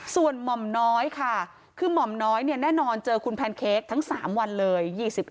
ส่วนหม่อมน้อยค่ะคือหม่อมน้อยแน่นอนเจอคุณแพนเค้กทั้ง๓วันเลย